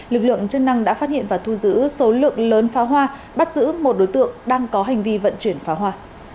lực lượng chức năng đã phát hiện và thu giữ số lượng lớn pháo hoa bắt giữ một đối tượng đang có hành vi vận chuyển pháo hoa